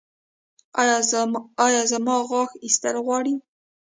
ایا زما غاښ ایستل غواړي؟